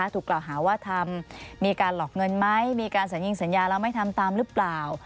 ถูกกล่าวหาว่าทำมีการหลอกเงินไหมมีการสัญญิงสัญญาแล้วไม่ทำตามหรือเปล่า